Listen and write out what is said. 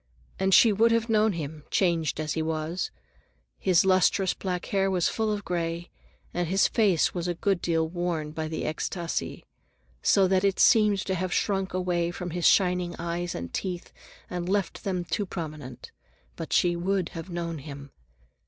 And she would have known him, changed as he was. His lustrous black hair was full of gray, and his face was a good deal worn by the extasi, so that it seemed to have shrunk away from his shining eyes and teeth and left them too prominent. But she would have known him.